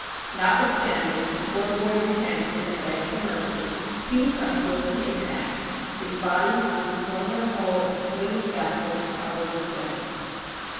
Notwithstanding the poor boy recanted and begged for mercy, he was found guilty and hanged. His body was thrown in a hole at the foot of the scaffold and covered with stones.